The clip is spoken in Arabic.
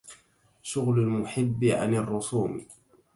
شغل المحب عن الرسوم